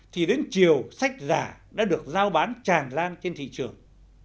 thì đến chiều sách giả đã được giao bán tràn lan trên thị trường